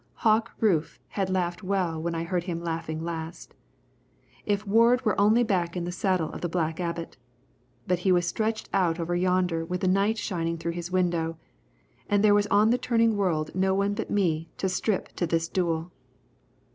Hawk Rufe had laughed well when I had heard him laughing last. If Ward were only back in the saddle of the Black Abbot! But he was stretched out over yonder with the night shining through his window, and there was on the turning world no one but me to strip to this duel.